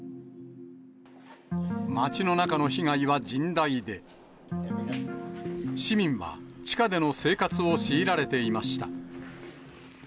街の中の被害は甚大で、市民は地下での生活を強いられていました。